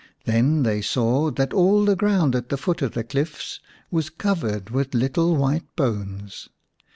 Then they saw that all the ground at the foot of the cliffs was covered with little white bones.